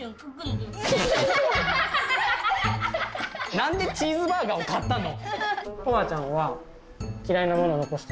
なんでチーズバーガーを買ったの？